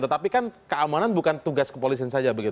tetapi kan keamanan bukan tugas kepolisian saja begitu